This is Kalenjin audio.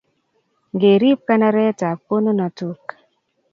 ngerib kenoretab konunotak